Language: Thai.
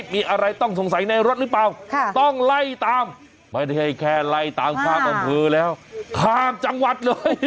ไม่ได้แค่ไล่ตามข้ามบรรพือแล้วข้ามจังหวัดเลย